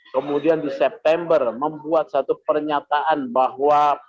kemudian di september membuat satu pernyataan bahwa